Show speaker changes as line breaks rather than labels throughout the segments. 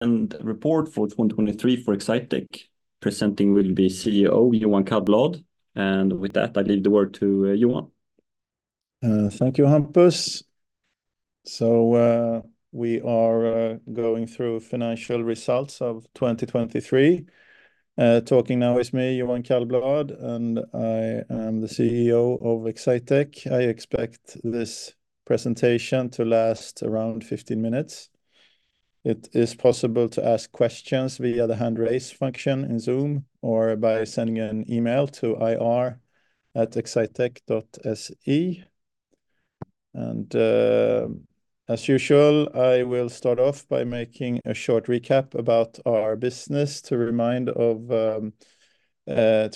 Report for 2023 for Exsitec. Presenting will be CEO Johan Kallblad, and with that, I leave the word to Johan.
Thank you, Hampus. So, we are going through financial results of 2023. Talking now is me, Johan Kallblad, and I am the CEO of Exsitec. I expect this presentation to last around 15 minutes. It is possible to ask questions via the hand raise function in Zoom, or by sending an email to ir@exsitec.se. As usual, I will start off by making a short recap about our business to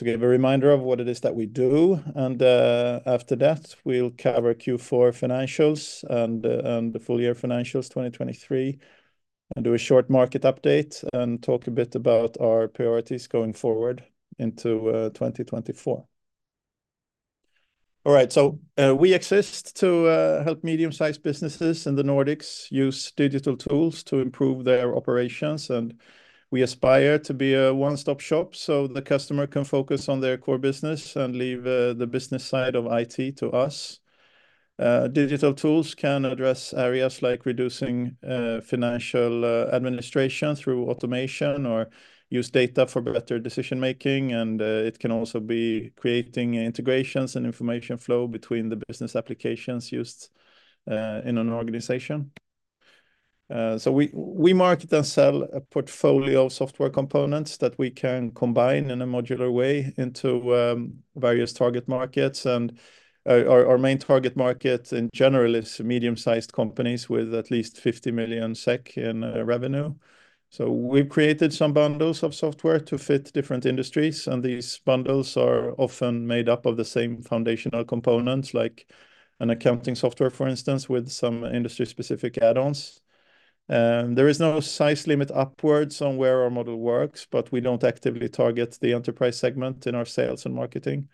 give a reminder of what it is that we do. After that, we'll cover Q4 financials and the full year financials 2023, and do a short market update, and talk a bit about our priorities going forward into 2024. All right, so we exist to help medium-sized businesses in the Nordics use digital tools to improve their operations, and we aspire to be a one-stop shop, so the customer can focus on their core business and leave the business side of IT to us. Digital tools can address areas like reducing financial administration through automation, or use data for better decision-making, and it can also be creating integrations and information flow between the business applications used in an organization. So we market and sell a portfolio of software components that we can combine in a modular way into various target markets. And our main target market in general is medium-sized companies with at least 50 million SEK in revenue. So we've created some bundles of software to fit different industries, and these bundles are often made up of the same foundational components, like an accounting software, for instance, with some industry-specific add-ons. There is no size limit upwards on where our model works, but we don't actively target the enterprise segment in our sales and marketing.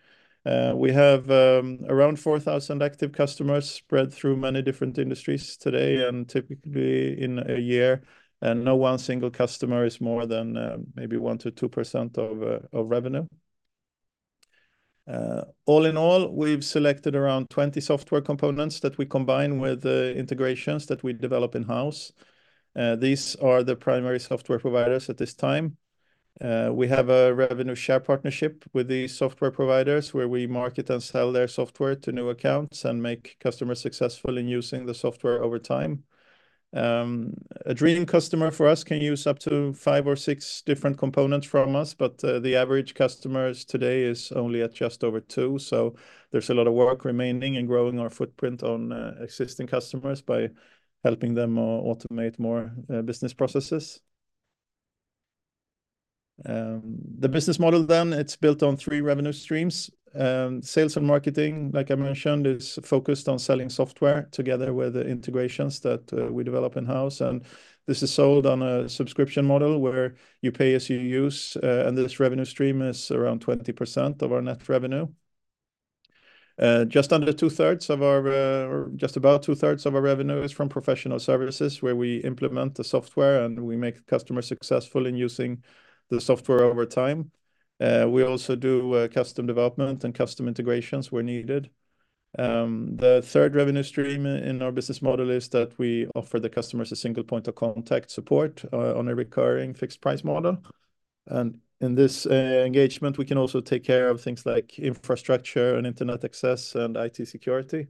We have around 4,000 active customers spread through many different industries today, and typically in a year, and no one single customer is more than maybe 1%-2% of revenue. All in all, we've selected around 20 software components that we combine with the integrations that we develop in-house. These are the primary software providers at this time. We have a revenue share partnership with the software providers, where we market and sell their software to new accounts and make customers successful in using the software over time. A dream customer for us can use up to five or six different components from us, but the average customers today is only at just over two, so there's a lot of work remaining in growing our footprint on existing customers by helping them automate more business processes. The business model then, it's built on three revenue streams. Sales and marketing, like I mentioned, is focused on selling software together with the integrations that we develop in-house, and this is sold on a subscription model, where you pay as you use, and this revenue stream is around 20% of our net revenue. Just under two-thirds of our, or just about two-thirds of our revenue is from professional services, where we implement the software, and we make customers successful in using the software over time. We also do custom development and custom integrations where needed. The third revenue stream in our business model is that we offer the customers a single point of contact support on a recurring fixed price model. And in this engagement, we can also take care of things like infrastructure and internet access, and IT security.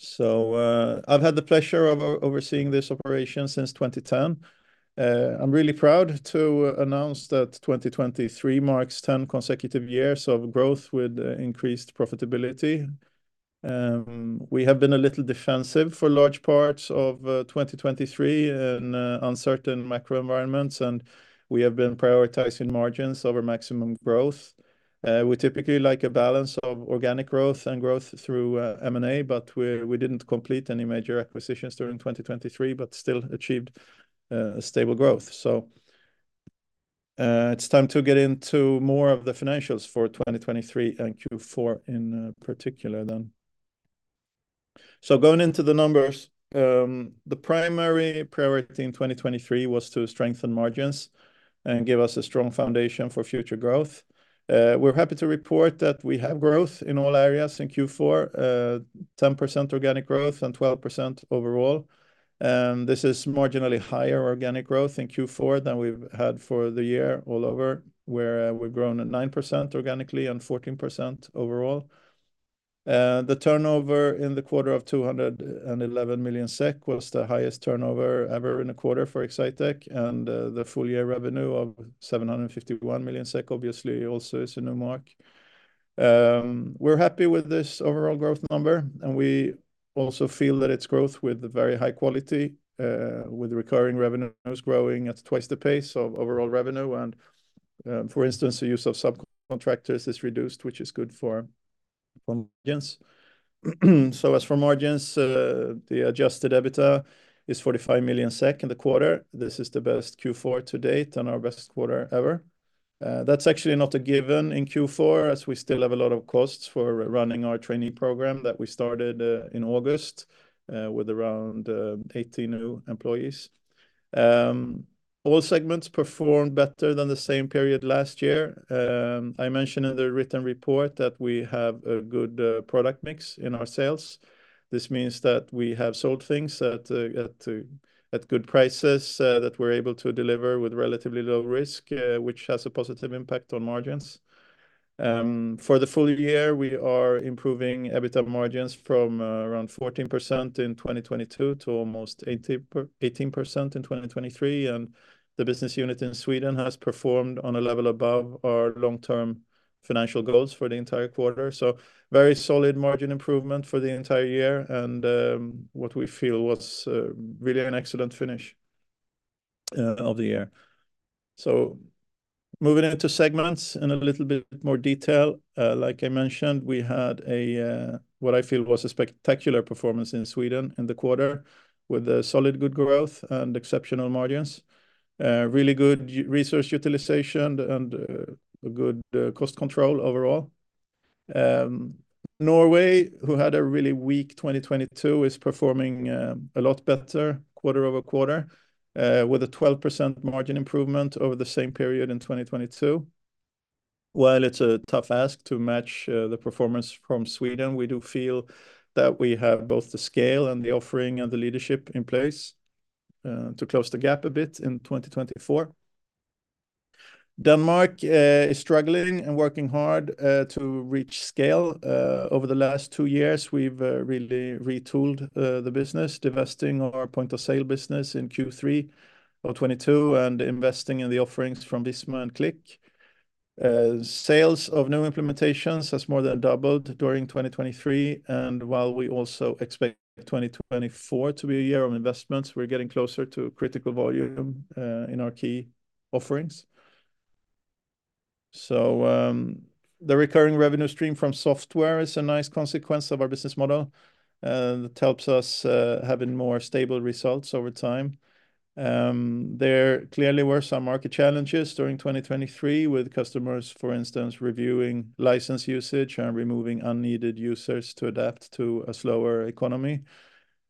So, I've had the pleasure of overseeing this operation since 2010. I'm really proud to announce that 2023 marks 10 consecutive years of growth with increased profitability. We have been a little defensive for large parts of 2023 in uncertain macro environments, and we have been prioritizing margins over maximum growth. We typically like a balance of organic growth and growth through M&A, but we, we didn't complete any major acquisitions during 2023, but still achieved a stable growth. It's time to get into more of the financials for 2023 and Q4 in particular then. Going into the numbers, the primary priority in 2023 was to strengthen margins and give us a strong foundation for future growth. We're happy to report that we have growth in all areas in Q4, 10% organic growth and 12% overall. This is marginally higher organic growth in Q4 than we've had for the year all over, where we've grown at 9% organically and 14% overall. The turnover in the quarter of 211 million SEK was the highest turnover ever in a quarter for Exsitec, and the full year revenue of 751 million SEK obviously also is a new mark. We're happy with this overall growth number, and we also feel that it's growth with very high quality, with recurring revenues growing at twice the pace of overall revenue. And, for instance, the use of subcontractors is reduced, which is good for margins. So as for margins, the adjusted EBITDA is 45 million SEK in the quarter. This is the best Q4 to date and our best quarter ever. That's actually not a given in Q4, as we still have a lot of costs for running our training program that we started in August with around 80 new employees. All segments performed better than the same period last year. I mentioned in the written report that we have a good product mix in our sales. This means that we have sold things at good prices that we're able to deliver with relatively low risk, which has a positive impact on margins. For the full year, we are improving EBITDA margins from around 14% in 2022 to almost 18% in 2023, and the business unit in Sweden has performed on a level above our long-term financial goals for the entire quarter. So very solid margin improvement for the entire year and what we feel what's really an excellent finish of the year. So moving into segments in a little bit more detail. Like I mentioned, we had a what I feel was a spectacular performance in Sweden in the quarter, with a solid good growth and exceptional margins. Really good resource utilization and a good cost control overall. Norway, who had a really weak 2022, is performing a lot better quarter-over-quarter, with a 12% margin improvement over the same period in 2022. While it's a tough ask to match the performance from Sweden, we do feel that we have both the scale and the offering and the leadership in place to close the gap a bit in 2024. Denmark is struggling and working hard to reach scale. Over the last two years, we've really retooled the business, divesting our point-of-sale business in Q3 of 2022 and investing in the offerings from Visma and Qlik. Sales of new implementations has more than doubled during 2023, and while we also expect 2024 to be a year of investments, we're getting closer to critical volume in our key offerings. So, the recurring revenue stream from software is a nice consequence of our business model that helps us having more stable results over time. There clearly were some market challenges during 2023 with customers, for instance, reviewing license usage and removing unneeded users to adapt to a slower economy.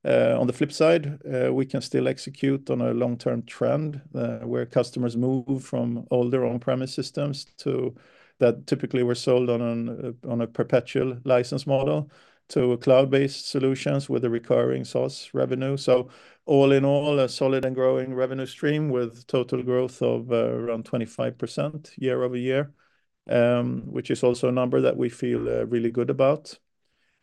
On the flip side, we can still execute on a long-term trend, where customers move from older on-premise systems to... That typically were sold on a perpetual license model, to cloud-based solutions with a recurring source revenue. So all in all, a solid and growing revenue stream with total growth of around 25% year-over-year, which is also a number that we feel really good about.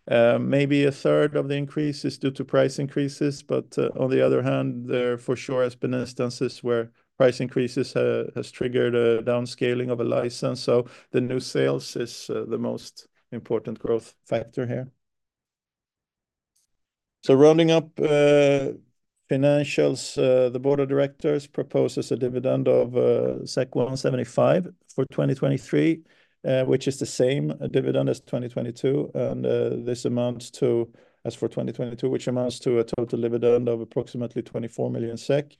Maybe a third of the increase is due to price increases, but on the other hand, there for sure has been instances where price increases has triggered a downscaling of a license, so the new sales is the most important growth factor here. So rounding up financials, the board of directors proposes a dividend of 175 for 2023, which is the same dividend as 2022, and this amounts to... As for 2022, which amounts to a total dividend of approximately 24 million SEK.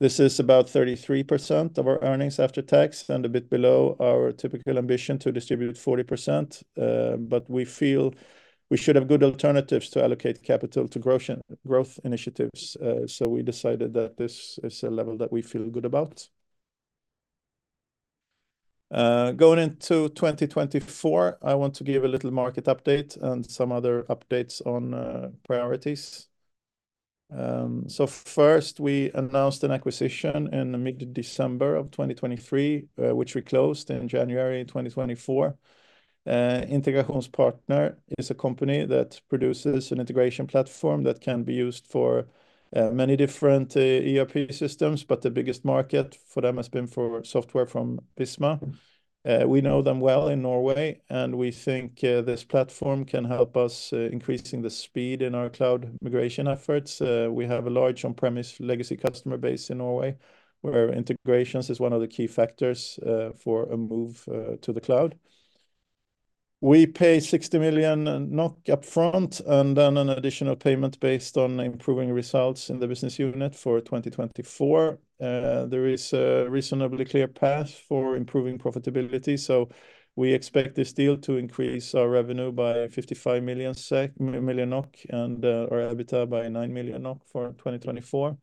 This is about 33% of our earnings after tax and a bit below our typical ambition to distribute 40%. But we feel we should have good alternatives to allocate capital to growth and growth initiatives, so we decided that this is a level that we feel good about. Going into 2024, I want to give a little market update and some other updates on priorities. So first, we announced an acquisition in the mid-December of 2023, which we closed in January 2024. Integrasjonspartner is a company that produces an integration platform that can be used for many different ERP systems, but the biggest market for them has been for software from Visma. We know them well in Norway, and we think this platform can help us increasing the speed in our cloud migration efforts. We have a large on-premise legacy customer base in Norway, where integrations is one of the key factors for a move to the cloud. We pay 60 million NOK upfront and then an additional payment based on improving results in the business unit for 2024. There is a reasonably clear path for improving profitability, so we expect this deal to increase our revenue by 55 million SEK- million NOK, and our EBITDA by 9 million NOK for 2024.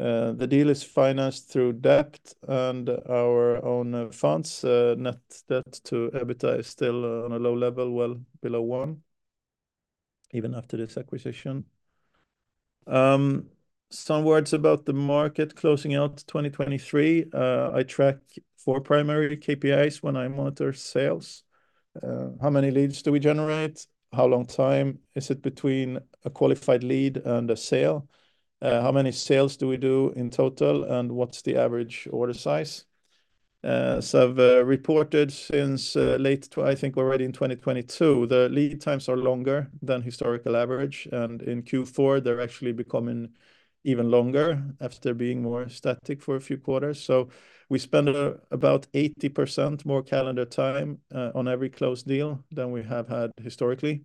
The deal is financed through debt and our own funds. Net debt to EBITDA is still on a low level, well below one, even after this acquisition. Some words about the market closing out 2023. I track four primary KPIs when I monitor sales. How many leads do we generate? How long time is it between a qualified lead and a sale? How many sales do we do in total, and what's the average order size? So I've reported since late... I think already in 2022, the lead times are longer than historical average, and in Q4, they're actually becoming even longer after being more static for a few quarters. So we spend about 80% more calendar time on every closed deal than we have had historically.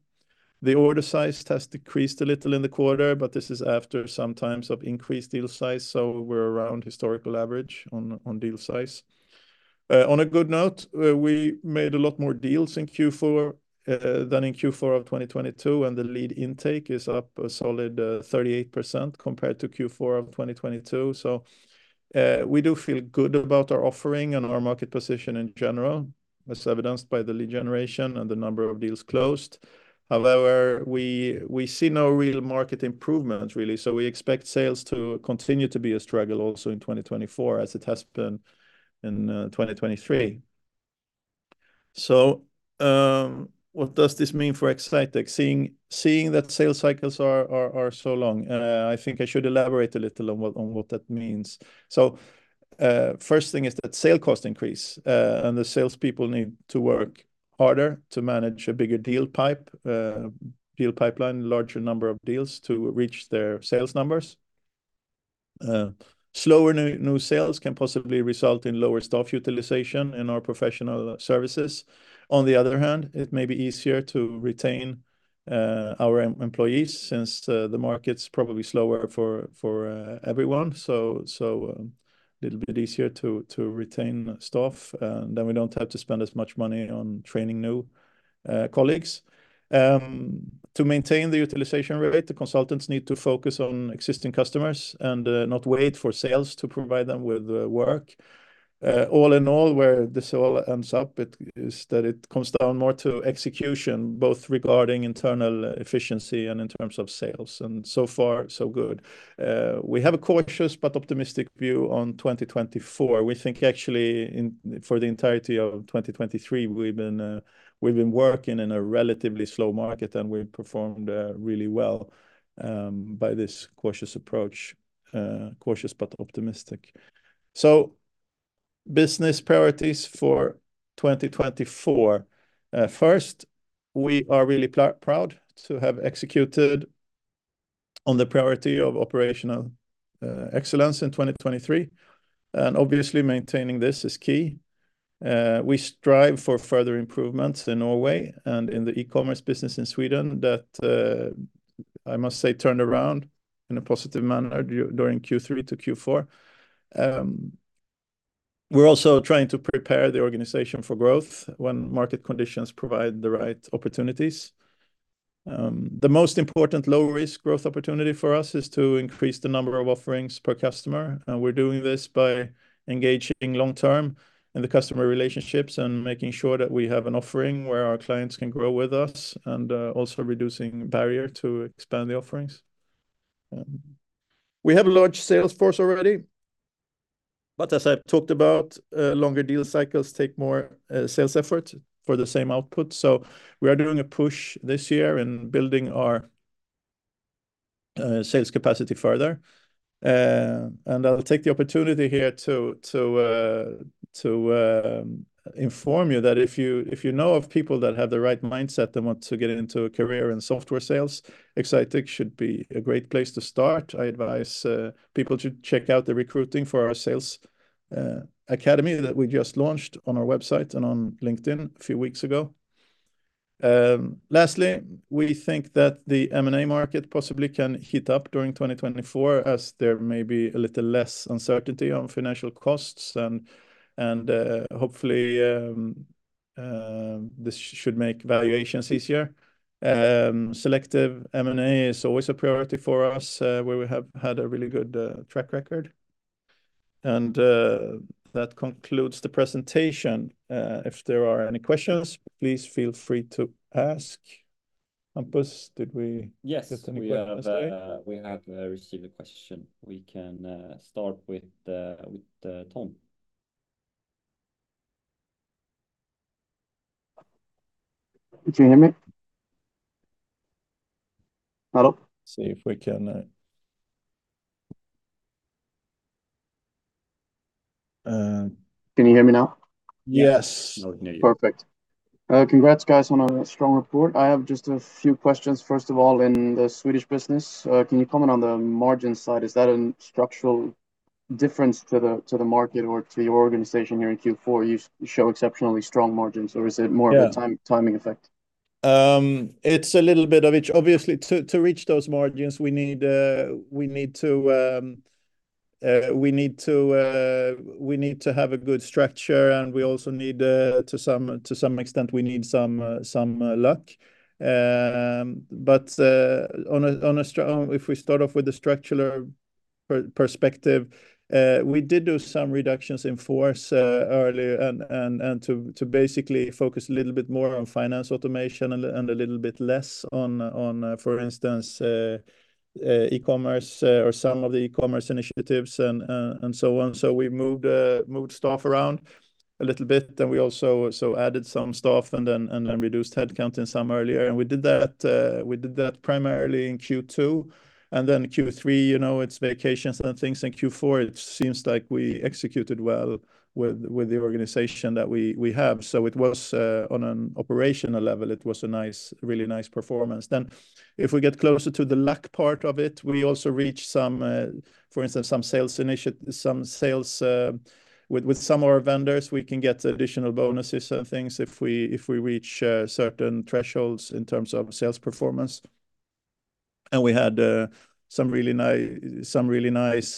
The order size has decreased a little in the quarter, but this is after some times of increased deal size, so we're around historical average on deal size. On a good note, we made a lot more deals in Q4 than in Q4 of 2022, and the lead intake is up a solid 38% compared to Q4 of 2022. So, we do feel good about our offering and our market position in general, as evidenced by the lead generation and the number of deals closed. However, we see no real market improvement really, so we expect sales to continue to be a struggle also in 2024, as it has been in 2023. So, what does this mean for Exsitec? Seeing that sales cycles are so long, I think I should elaborate a little on what that means. So, first thing is that sales cost increase, and the salespeople need to work harder to manage a bigger deal pipeline, larger number of deals to reach their sales numbers. Slower new sales can possibly result in lower staff utilization in our professional services. On the other hand, it may be easier to retain our employees since the market's probably slower for everyone, so little bit easier to retain staff. Then we don't have to spend as much money on training new colleagues. To maintain the utilization rate, the consultants need to focus on existing customers and not wait for sales to provide them with work. All in all, where this all ends up, it is that it comes down more to execution, both regarding internal efficiency and in terms of sales, and so far, so good. We have a cautious but optimistic view on 2024. We think actually for the entirety of 2023, we've been working in a relatively slow market, and we've performed really well by this cautious approach. Cautious but optimistic. So business priorities for 2024. First, we are really proud to have executed on the priority of operational excellence in 2023, and obviously, maintaining this is key. We strive for further improvements in Norway and in the e-commerce business in Sweden that, I must say, turned around in a positive manner during Q3 to Q4. We're also trying to prepare the organization for growth when market conditions provide the right opportunities. The most important low-risk growth opportunity for us is to increase the number of offerings per customer, and we're doing this by engaging long-term in the customer relationships and making sure that we have an offering where our clients can grow with us, and also reducing barrier to expand the offerings. We have a large sales force already, but as I've talked about, longer deal cycles take more sales effort for the same output. So we are doing a push this year in building our sales capacity further. And I'll take the opportunity here to inform you that if you know of people that have the right mindset and want to get into a career in software sales, Exsitec should be a great place to start. I advise people to check out the recruiting for our Sales academy that we just launched on our website and on LinkedIn a few weeks ago. Lastly, we think that the M&A market possibly can heat up during 2024, as there may be a little less uncertainty on financial costs and hopefully this should make valuations easier. Selective M&A is always a priority for us, where we have had a really good track record. That concludes the presentation. If there are any questions, please feel free to ask. Hampus, did we-
Yes-
Get any questions today?...
we have received a question. We can start with Tom.
Can you hear me? Hello.
See if we can...
Can you hear me now?
Yes.
Now we can hear you.
Perfect. Uh, congrats, guys, on a strong report. I have just a few questions. First of all, in the Swedish business, can you comment on the margin side? Is that a structural difference to the market or to your organization here in Q4, you show exceptionally strong margins, or is it more of-
Yeah...
a timing effect?
It's a little bit of each. Obviously, to reach those margins, we need to have a good structure, and we also need, to some extent, some luck. If we start off with the structural perspective, we did do some reductions in force earlier and to basically focus a little bit more on finance automation and a little bit less on, for instance, e-commerce or some of the e-commerce initiatives and so on. So we moved staff around a little bit, and we also added some staff and then reduced headcount in some earlier, and we did that primarily in Q2. Then Q3, you know, it's vacations and things. In Q4, it seems like we executed well with the organization that we have. So it was on an operational level, it was a nice, really nice performance. Then, if we get closer to the luck part of it, we also reach some, for instance, some sales with some of our vendors, we can get additional bonuses and things if we reach certain thresholds in terms of sales performance. We had some really nice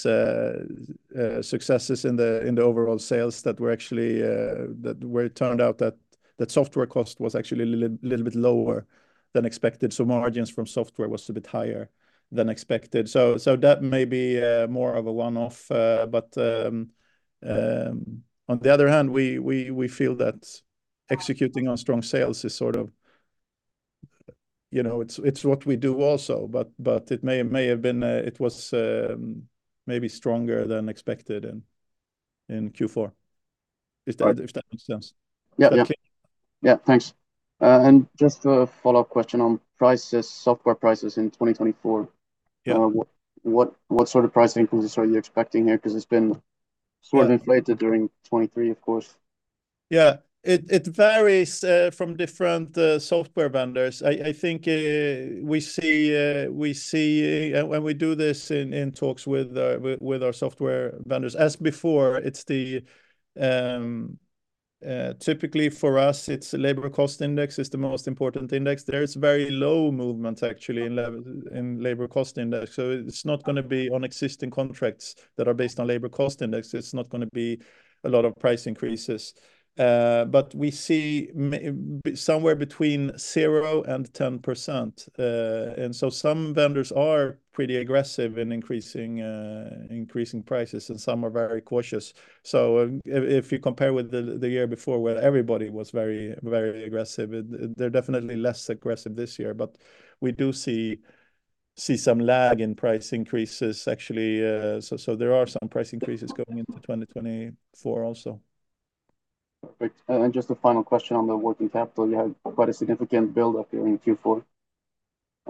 successes in the overall sales that actually turned out that software cost was actually a little bit lower than expected. So margins from software was a bit higher than expected. So that may be more of a one-off, but on the other hand, we feel that executing on strong sales is sort of, you know, it's what we do also. But it may have been... It was maybe stronger than expected in Q4.
Right.
If that makes sense.
Yeah, yeah.
Okay.
Yeah, thanks. Just a follow-up question on prices, software prices in 2024.
Yeah.
What sort of price increases are you expecting here? 'Cause it's been-
Yeah...
sort of inflated during 2023, of course.
Yeah. It varies from different software vendors. I think we see when we do this in talks with our software vendors, as before, it's typically, for us, it's labor cost index is the most important index. There is very low movement actually in labor cost index, so it's not gonna be on existing contracts that are based on labor cost index. It's not gonna be a lot of price increases. But we see somewhere between 0%-10%. And so some vendors are pretty aggressive in increasing prices, and some are very cautious. So if you compare with the year before, where everybody was very aggressive, they're definitely less aggressive this year. We do see some lag in price increases, actually, so there are some price increases going into 2024 also.
Perfect. And then just a final question on the working capital. You had quite a significant build-up there in Q4.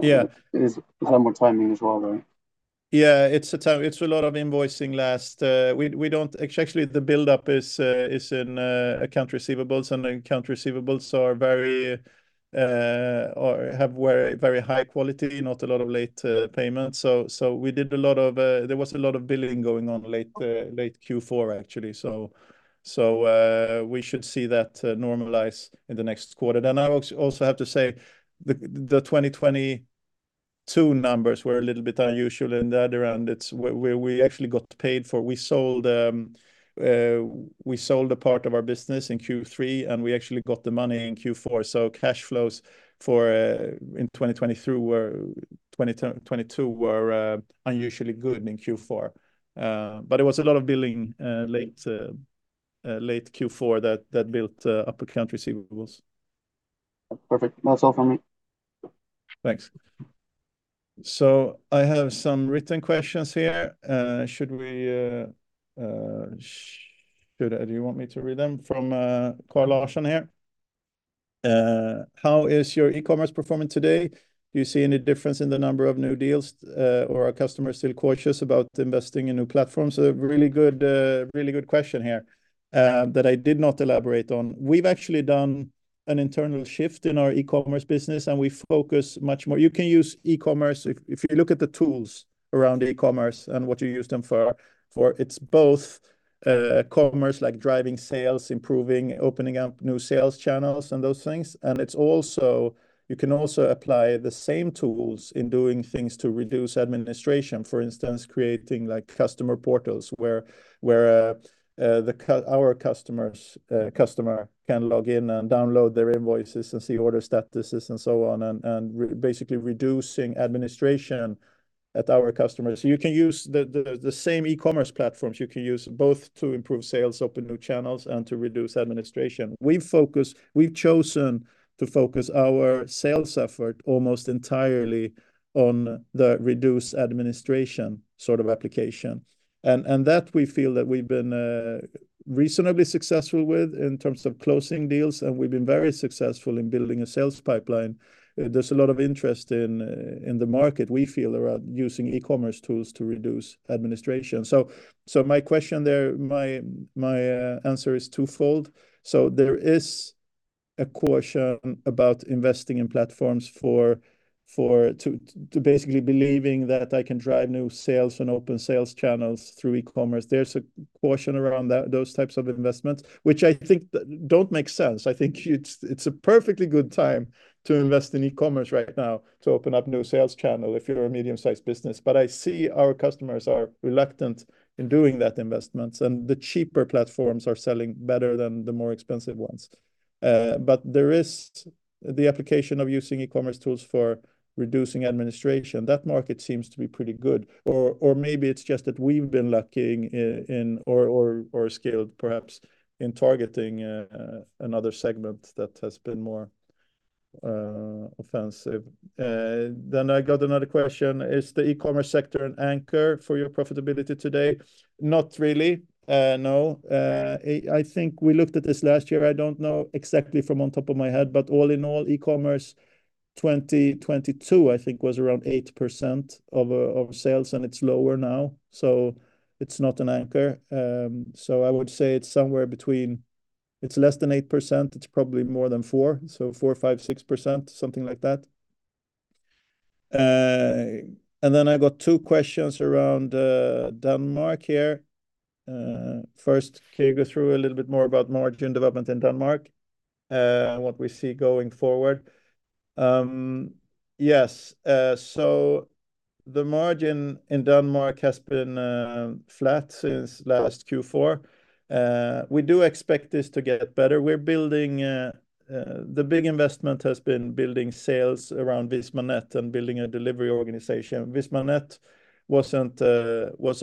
Yeah.
It is a lot more timing as well, though.
Yeah, it's a lot of invoicing last. We don't—Actually, the build-up is in accounts receivable, and accounts receivable are very, or have very, very high quality, not a lot of late payments. So, we did a lot. There was a lot of billing going on late Q4, actually. So, we should see that normalize in the next quarter. Then I also have to say, the 2022 numbers were a little bit unusual in the other round. It's where we actually got paid for. We sold a part of our business in Q3, and we actually got the money in Q4, so cash flows for in 2023 were. 2022 were unusually good in Q4. But it was a lot of billing late Q4 that built up accounts receivable.
Perfect. That's all from me.
Thanks. So I have some written questions here. Should I, do you want me to read them? From Karl Larsson here. How is your e-commerce performing today? Do you see any difference in the number of new deals, or are customers still cautious about investing in new platforms? A really good, really good question here, that I did not elaborate on. We've actually done an internal shift in our e-commerce business, and we focus much more... You can use e-commerce, if you look at the tools around e-commerce and what you use them for, it's both commerce, like driving sales, improving, opening up new sales channels, and those things, and it's also, you can also apply the same tools in doing things to reduce administration. For instance, creating, like, customer portals, where our customers can log in and download their invoices and see order statuses and so on, and basically reducing administration at our customers. You can use the same e-commerce platforms. You can use both to improve sales, open new channels, and to reduce administration. We've chosen to focus our sales effort almost entirely on the reduced administration sort of application, and that we feel that we've been reasonably successful with in terms of closing deals, and we've been very successful in building a sales pipeline. There's a lot of interest in the market, we feel, around using e-commerce tools to reduce administration. So, my answer there is twofold. So there is a caution about investing in platforms to basically believe that I can drive new sales and open sales channels through e-commerce. There's a caution around that, those types of investments, which I think don't make sense. I think it's a perfectly good time to invest in e-commerce right now, to open up new sales channel if you're a medium-sized business. But I see our customers are reluctant in doing that investments, and the cheaper platforms are selling better than the more expensive ones. But there is the application of using e-commerce tools for reducing administration. That market seems to be pretty good. Or maybe it's just that we've been lucky or skilled, perhaps, in targeting another segment that has been more offensive. Then I got another question: Is the e-commerce sector an anchor for your profitability today? Not really, no. I think we looked at this last year. I don't know exactly off the top of my head, but all in all, e-commerce 2022, I think, was around 8% of sales, and it's lower now, so it's not an anchor. So I would say it's less than 8%. It's probably more than 4%, so 4%, 5%, 6%, something like that. And then I got two questions around Denmark here. First, can you go through a little bit more about margin development in Denmark, and what we see going forward? Yes, so the margin in Denmark has been flat since last Q4. We do expect this to get better. The big investment has been building sales around Visma.net and building a delivery organization. Visma.net was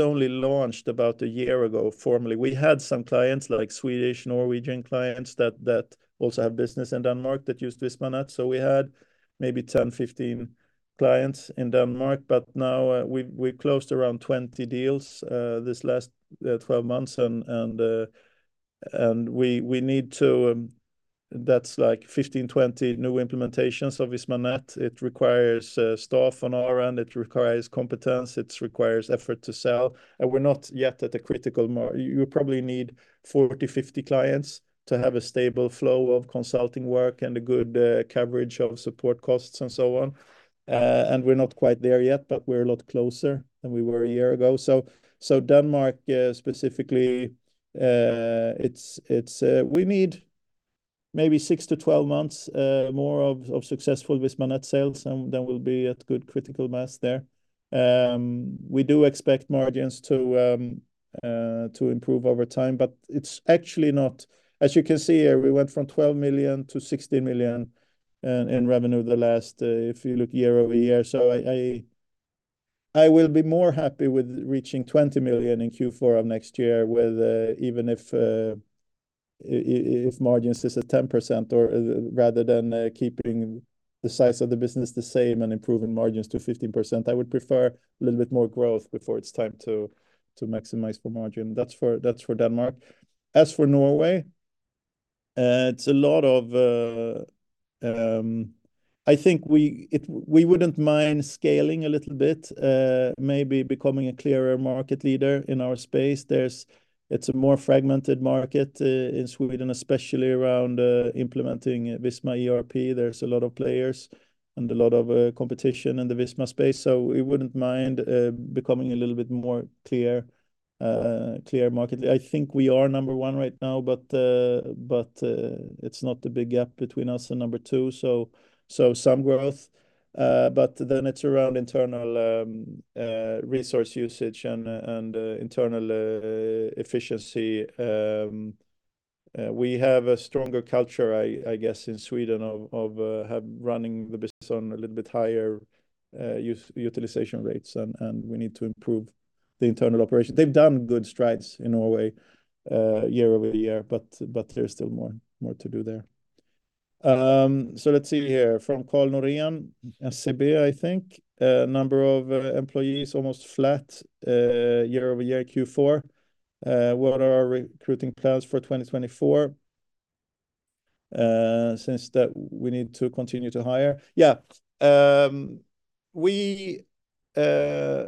only launched about a year ago formally. We had some clients, like Swedish, Norwegian clients, that also have business in Denmark that used Visma.net. So we had maybe 10-15 clients in Denmark, but now we've closed around 20 deals this last 12 months, and we need to. That's like 15-20 new implementations of Visma.net. It requires staff on our end. It requires competence. It requires effort to sell, and we're not yet at the critical mark. You probably need 40-50 clients to have a stable flow of consulting work and a good coverage of support costs and so on. And we're not quite there yet, but we're a lot closer than we were a year ago. So, Denmark, specifically, it's... We need maybe 6-12 months more of successful Visma.net sales, and then we'll be at good critical mass there. We do expect margins to improve over time, but it's actually not... As you can see here, we went from 12 million to 16 million in revenue the last, if you look year-over-year. So I will be more happy with reaching 20 million in Q4 of next year, with even if margins is at 10% or rather than keeping the size of the business the same and improving margins to 15%, I would prefer a little bit more growth before it's time to maximize the margin. That's for, that's for Denmark. As for Norway, it's a lot of I think we wouldn't mind scaling a little bit, maybe becoming a clearer market leader in our space. It's a more fragmented market in Sweden, especially around implementing Visma ERP. There's a lot of players and a lot of competition in the Visma space, so we wouldn't mind becoming a little bit more clear clear market. I think we are number one right now, but, but, it's not a big gap between us and number two, so, some growth, but then it's around internal, resource usage and, and, internal, efficiency. We have a stronger culture, I guess, in Sweden of, of, have, running the business on a little bit higher, utilization rates, and, we need to improve the internal operation. They've done good strides in Norway, year-over-year, but, there's still more, to do there. So let's see here, from Karl Norén, SEB, I think, Number of, employees almost flat, year-over-year, Q4. What are our recruiting plans for 2024, since that we need to continue to hire? Yeah,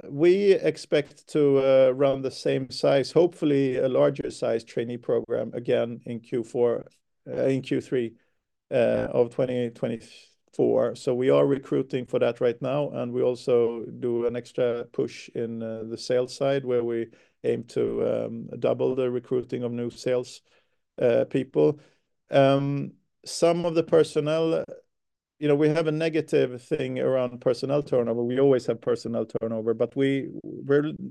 we expect to run the same size, hopefully a larger size, trainee program again in Q4, in Q3, of 2024. So we are recruiting for that right now, and we also do an extra push in the sales side, where we aim to double the recruiting of new sales people. Some of the personnel... You know, we have a negative thing around personnel turnover. We always have personnel turnover, but we're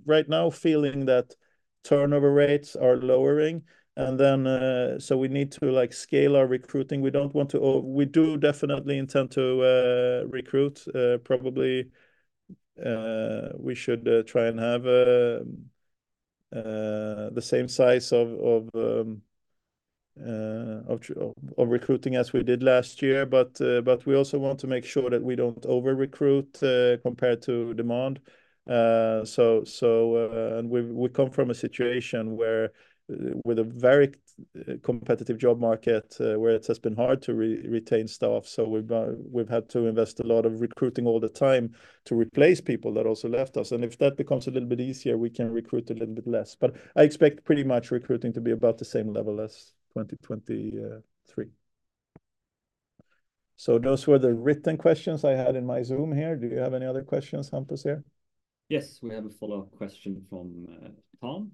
right now feeling that turnover rates are lowering, and then... So we need to, like, scale our recruiting. We don't want to, we do definitely intend to recruit, probably we should try and have the same size of recruiting as we did last year, but we also want to make sure that we don't over-recruit compared to demand. So we come from a situation where, with a very competitive job market, where it has been hard to retain staff, so we've had to invest a lot of recruiting all the time to replace people that also left us, and if that becomes a little bit easier, we can recruit a little bit less. But I expect pretty much recruiting to be about the same level as 2023. So those were the written questions I had in my Zoom here. Do you have any other questions, Hampus, here?
Yes, we have a follow-up question from Tom.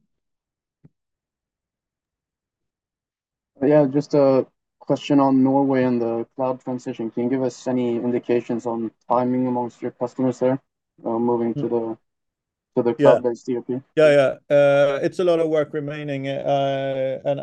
Yeah, just a question on Norway and the cloud transition. Can you give us any indications on timing amongst your customers there, moving to the-
Yeah
to the cloud-based ERP?
Yeah, yeah. It's a lot of work remaining, and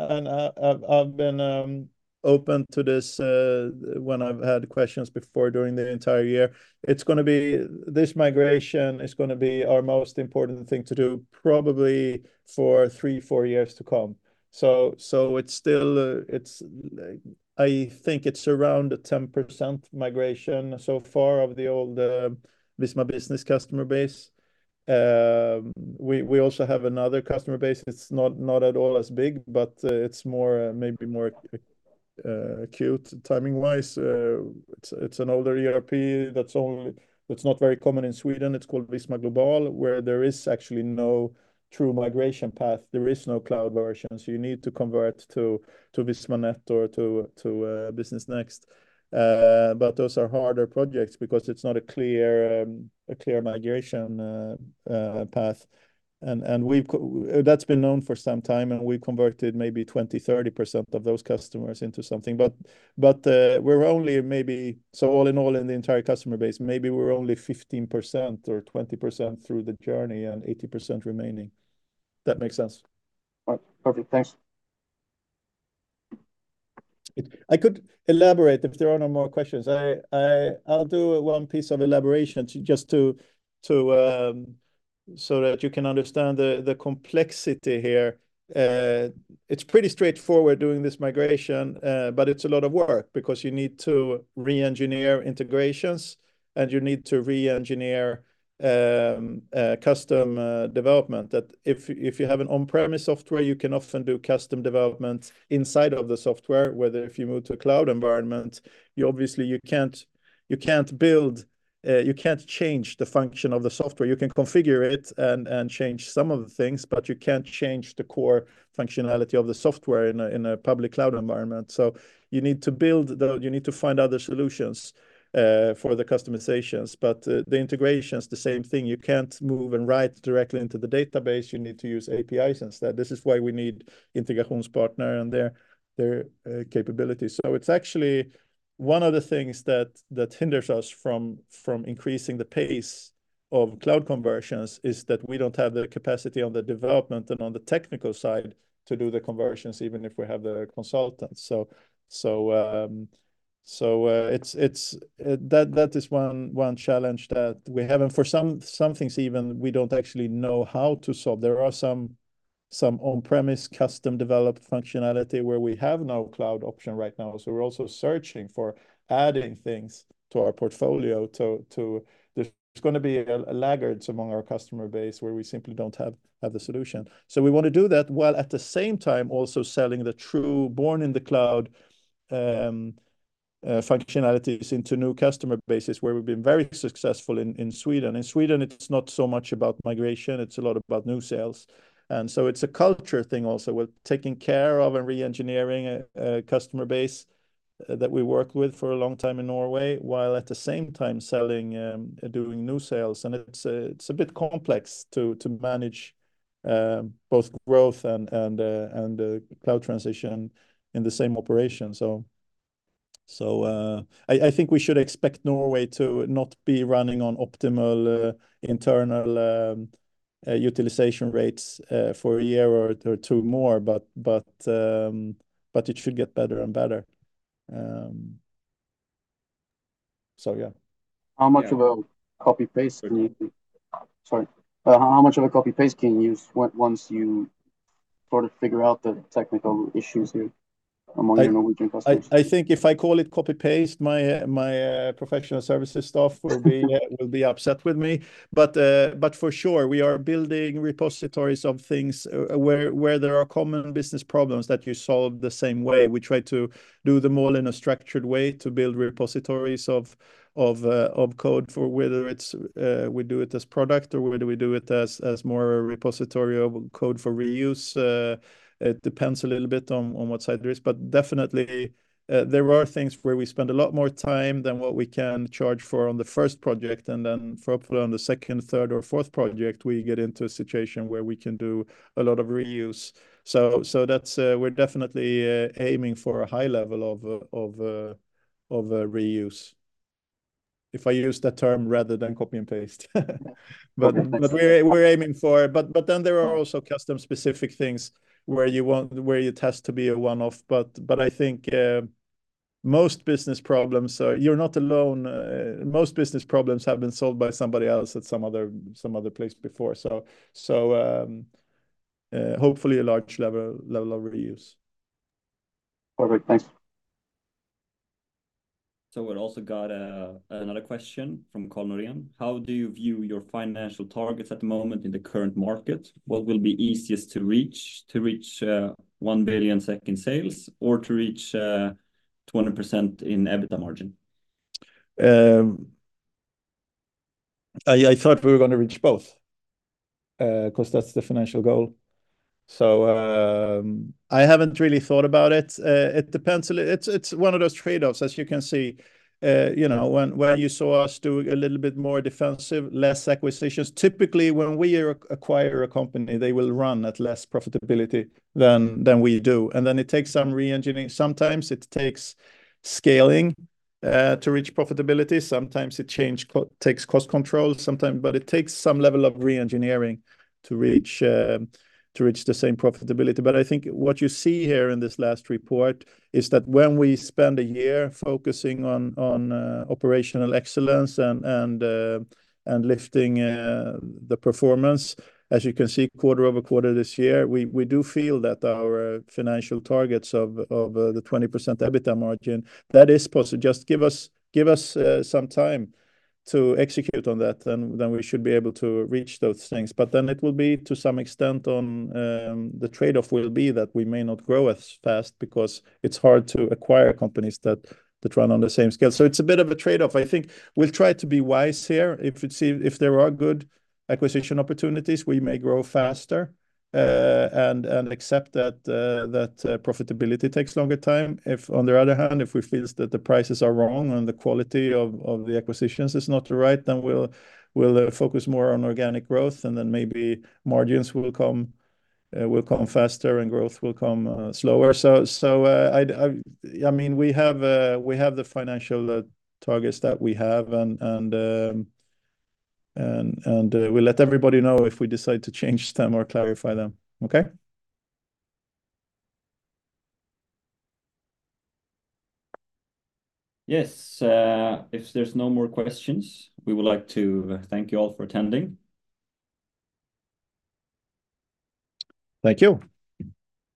I've been open to this when I've had questions before during the entire year. It's gonna be, this migration is gonna be our most important thing to do probably for three, four years to come. So it's still, like, I think it's around 10% migration so far of the old Visma Business customer base. We also have another customer base. It's not at all as big, but it's more, maybe more acute timing-wise. It's an older ERP that's not very common in Sweden. It's called Visma Global, where there is actually no true migration path. There is no cloud version, so you need to convert to Visma.net or to Business NXT. But those are harder projects because it's not a clear, a clear migration path. And, and that's been known for some time, and we've converted maybe 20%-30% of those customers into something. But, but, we're only maybe, so all in all, in the entire customer base, maybe we're only 15% or 20% through the journey, and 80% remaining. If that makes sense.
Right. Perfect. Thanks.
I could elaborate if there are no more questions. I'll do one piece of elaboration just to so that you can understand the complexity here. It's pretty straightforward doing this migration, but it's a lot of work because you need to re-engineer integrations, and you need to re-engineer custom development. That, if you have an on-premise software, you can often do custom development inside of the software, whereas if you move to a cloud environment, you obviously can't. You can't build. You can't change the function of the software. You can configure it and change some of the things, but you can't change the core functionality of the software in a public cloud environment. So you need to find other solutions for the customizations. But the integration's the same thing. You can't move and write directly into the database; you need to use APIs instead. This is why we need Integrasjonspartner and their capabilities. So it's actually one of the things that hinders us from increasing the pace of cloud conversions: we don't have the capacity on the development and on the technical side to do the conversions, even if we have the consultants. So it's that that is one challenge that we have. And for some things even, we don't actually know how to solve. There are some on-premise, custom-developed functionality where we have no cloud option right now. So we're also searching for adding things to our portfolio to, there's gonna be laggards among our customer base where we simply don't have the solution. So we want to do that, while at the same time, also selling the true born-in-the-cloud functionalities into new customer bases, where we've been very successful in Sweden. In Sweden, it's not so much about migration, it's a lot about new sales. And so it's a culture thing also, with taking care of and re-engineering a customer base that we worked with for a long time in Norway, while at the same time selling, doing new sales. And it's a bit complex to manage both growth and the cloud transition in the same operation. So, I think we should expect Norway to not be running on optimal internal utilization rates for a year or two more, but it should get better and better. So yeah.
How much of a copy-paste can you? Sorry, how much of a copy-paste can you use once you sort of figure out the technical issues here among the Norwegian customers?
I think if I call it copy-paste, my professional services staff will be upset with me. But for sure, we are building repositories of things, where there are common business problems that you solve the same way. We try to do them all in a structured way to build repositories of code for whether it's, we do it as product or whether we do it as more repository of code for reuse. It depends a little bit on what side there is, but definitely, there are things where we spend a lot more time than what we can charge for on the first project, and then hopefully, on the second, third, or fourth project, we get into a situation where we can do a lot of reuse. So that's we're definitely aiming for a high level of reuse. If I use that term rather than copy and paste.
Okay. That's-
But we're aiming for it. But then there are also custom-specific things where it has to be a one-off. But I think most business problems are... You're not alone. Most business problems have been solved by somebody else at some other place before. So hopefully a large level of reuse.
Perfect. Thanks.
So we've also got another question from Karl Norén: How do you view your financial targets at the moment in the current market? What will be easiest to reach, to reach, one billion SEK in sales or to reach, twenty percent in EBITDA margin?
I thought we were gonna reach both, 'cause that's the financial goal. So, I haven't really thought about it. It depends. It's one of those trade-offs, as you can see. You know, when you saw us do a little bit more defensive, less acquisitions. Typically, when we acquire a company, they will run at less profitability than we do. And then it takes some re-engineering. Sometimes it takes scaling to reach profitability, sometimes it takes cost control, sometimes... But it takes some level of re-engineering to reach the same profitability. But I think what you see here in this last report is that when we spend a year focusing on operational excellence and lifting the performance, as you can see, quarter-over-quarter this year, we do feel that our financial targets of the 20% EBITDA margin, that is possible. Just give us some time to execute on that, then we should be able to reach those things. But then it will be, to some extent, on... The trade-off will be that we may not grow as fast because it's hard to acquire companies that run on the same scale. So it's a bit of a trade-off. I think we'll try to be wise here. If there are good acquisition opportunities, we may grow faster, and accept that profitability takes longer time. If on the other hand, if we feel that the prices are wrong and the quality of the acquisitions is not right, then we'll focus more on organic growth, and then maybe margins will come faster and growth will come slower. So, I mean, we have the financial targets that we have and we'll let everybody know if we decide to change them or clarify them. Okay?
Yes, if there's no more questions, we would like to thank you all for attending.
Thank you.